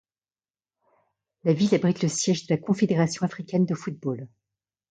La ville abrite le siège de la Confédération africaine de football.